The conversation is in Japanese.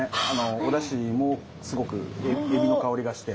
おだしもすごくエビの香りがして。